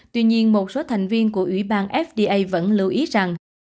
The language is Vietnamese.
tuy nhiên một số thành viên của ủy ban fda vẫn lưu ý rằng